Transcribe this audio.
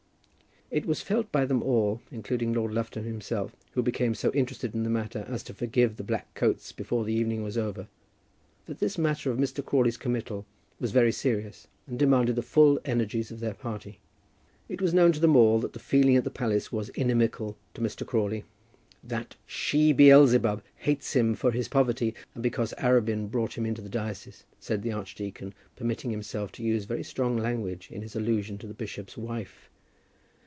It was felt by them all, including Lord Lufton himself, who became so interested in the matter as to forgive the black coats before the evening was over, that this matter of Mr. Crawley's committal was very serious, and demanded the full energies of their party. It was known to them all that the feeling at the palace was inimical to Mr. Crawley. "That she Beelzebub hates him for his poverty, and because Arabin brought him into the diocese," said the archdeacon, permitting himself to use very strong language in his allusion to the bishop's wife.